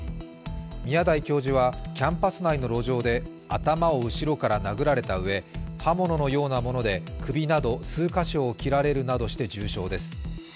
宮台教授はキャンパス内の路上で頭を後ろから殴られたうえ刃物のようなもので首など数か所を切られるなどして重傷です。